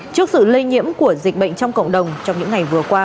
trước sự lây nhiễm của dịch bệnh trong cộng đồng trong những ngày vừa qua